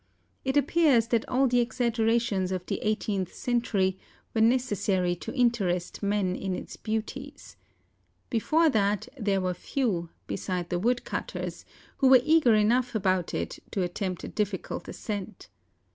It appears that all the exaggerations of the eighteenth century were necessary to interest men in its beau¬ ties. Before that there were few, beside the wood¬ cutters, who were eager enough about it to attempt a difficult ascent.